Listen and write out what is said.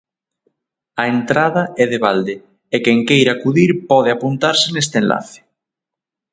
A entrada é de balde e quen queira acudir pode apuntarse neste enlace.